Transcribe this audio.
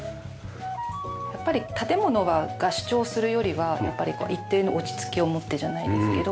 やっぱり建物が主張するよりは一定の落ち着きを持ってじゃないですけど。